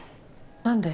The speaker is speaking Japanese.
何で？